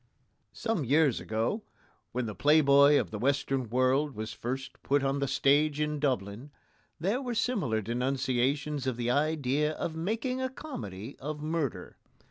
Some years ago, when The Playboy of the Western World was first put on the stage in Dublin, there were similar denunciations of the idea of making a comedy of murder.